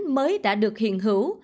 mới đã được hiện hữu